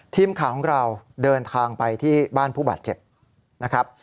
ทีมข่าวของเราเดินทางไปที่บ้านผู้บาดเจ็บนะครับ